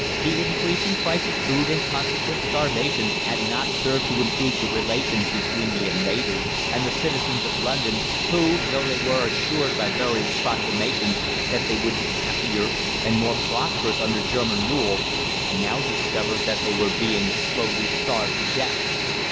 The increasing price of food and consequent starvation had not served to improve the relations between the invaders and the citizens of London, who, though they were assured by various proclamations that they would be happier and more prosperous under German rule, now discovered that they were being slowly starved to death.